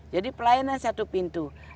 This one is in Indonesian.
jadi pelayanan satu pintu